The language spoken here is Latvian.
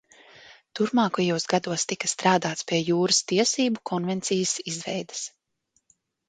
Turpmākajos gados tika strādāts pie Jūras tiesību konvencijas izveides.